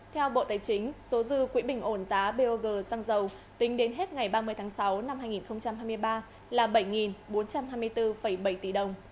theo bộ tài chính số dư quỹ bình ổn giá bog xăng dầu tính đến hết ngày ba mươi tháng sáu năm hai nghìn hai mươi ba là bảy bốn trăm hai mươi bốn bảy tỷ đồng